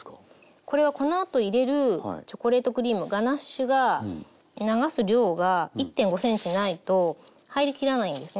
これはこのあと入れるチョコレートクリームガナッシュが流す量が１．５ｃｍないと入りきらないんですね。